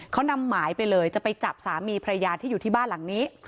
เขานำหมายไปเลยจะไปจับสามีพระยาที่อยู่ที่บ้านหลังนี้